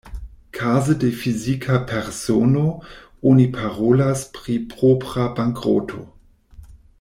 Kaze de fizika persono, oni parolas pri propra bankroto.